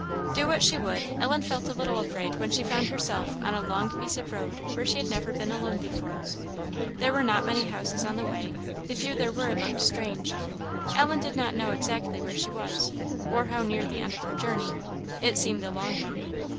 Do what she would, Ellen felt a little afraid when she found herself on a long piece of road where she had never been alone before. There were not many houses on the way; the few there were looked strange. Ellen did not know exactly where she was, or how near the end of her journey; it seemed a long one.